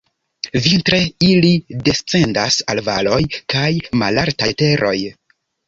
Vintre ili descendas al valoj kaj malaltaj teroj.